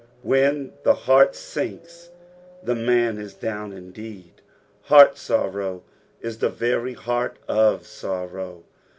When the heart sinks, the man ia down indeed. Heart sorrow is the very heart of sorrow.